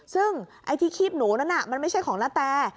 ซึ่งไอ้ที่คีบหนูนั้นมันไม่ใช่ของนาแต